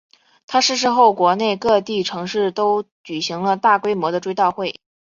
他逝世后国内各地城市都举行了大规模的追悼会。